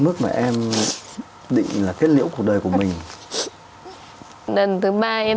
mức mà em định là kết liễu cuộc đời của mình thứ ba em